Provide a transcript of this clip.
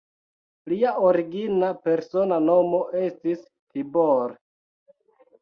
Lia origina persona nomo estis Tibor.